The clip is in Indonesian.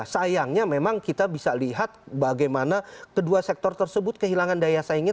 sayangnya memang kita bisa lihat bagaimana kedua sektor tersebut kehilangan daya saingnya